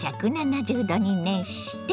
１７０℃に熱して。